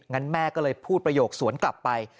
งั้นแม่ก็เลยพูดประโยคสวนกลับไป